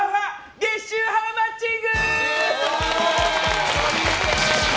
月収ハウマッチング！